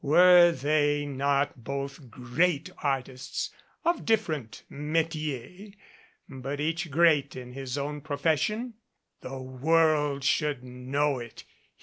Were they not both great artists of different metiers, but each great in his own profession? The world should know it.